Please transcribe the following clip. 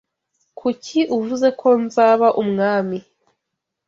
Kuki uvuze ko nzaba umwami